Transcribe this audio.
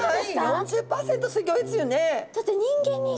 ４０％すギョいですよね。